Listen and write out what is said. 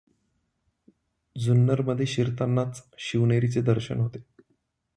जुन्नर मध्ये शिरतानांच शिवनेरीचे दर्शन होते.